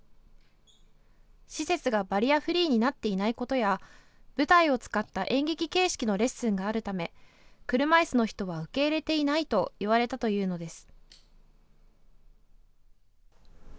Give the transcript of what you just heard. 施設がバリアフリーになっていないことや舞台を使った演劇形式のレッスンがあるため車いすの人は受け入れていないといわれたというのです。